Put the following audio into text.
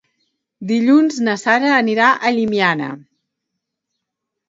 Dilluns na Sara anirà a Llimiana.